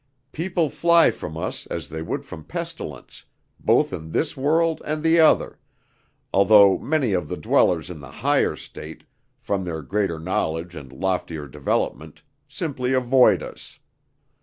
People fly from us as they would from pestilence, both in this world and the other, although many of the dwellers in the higher state, from their greater knowledge and loftier development, simply avoid us.